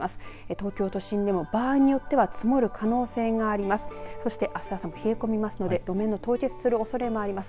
東京都心でも場合によっては積もる可能性があります。